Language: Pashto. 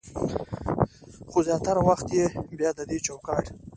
خو زياتره وخت يې بيا د دې چوکاټ